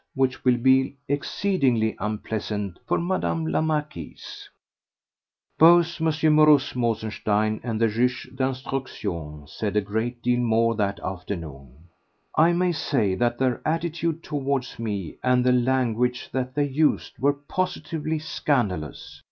which will be exceedingly unpleasant for Mme. la Marquise." Both M. Mauruss Mosenstein and the juge d'instruction said a great deal more that afternoon. I may say that their attitude towards me and the language that they used were positively scandalous.